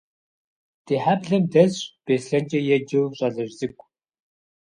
Ди хьэблэм дэсщ Беслъэнкӏэ еджэу щӀалэжь цӀыкӀу.